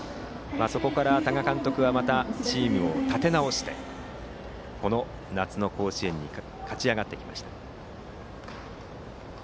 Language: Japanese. そこから多賀監督はチームを立て直してこの夏の甲子園に勝ち上がってきました。